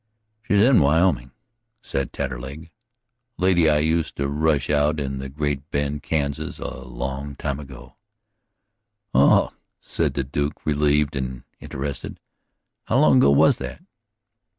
"She's in Wyoming," said Taterleg; "a lady I used to rush out in Great Bend, Kansas, a long time ago." "Oh," said the Duke, relieved and interested. "How long ago was that?"